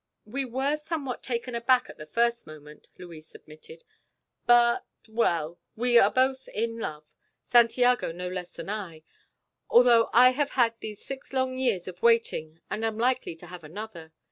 "We were somewhat taken aback at the first moment," Luis admitted. "But well, we are both in love Santiago no less than I, although I have had these six long years of waiting and am likely to have another.